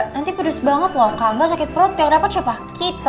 nanti pedes banget loh kaga sakit perut yang dapat siapa kita